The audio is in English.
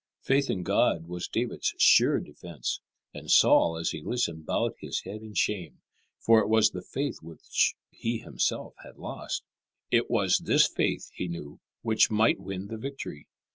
Faith in God was David's sure defence; and Saul as he listened bowed his head in shame, for it was the faith which he himself had lost. It was this faith, he knew, which might win the victory.